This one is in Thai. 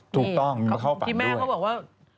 ถูกต้องมีมาเข้าฝันด้วยพี่แม่เขาบอกว่า